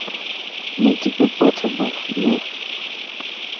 مہ تیپہ پتھ یون۔